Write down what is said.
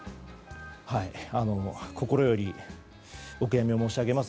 心よりお悔やみを申し上げます。